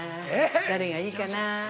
誰がいいかなー。